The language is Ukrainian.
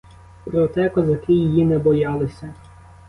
Проте козаки її не боялися.